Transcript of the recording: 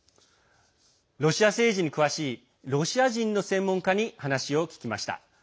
ロシア政治に詳しい、ロシア人の専門家に話を聞きました。